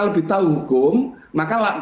lebih tahu hukum maka